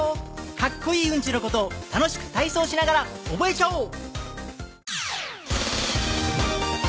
カッコイイうんちのことを楽しくたいそうしながらおぼえちゃおう。